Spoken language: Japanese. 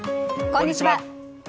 こんにちは。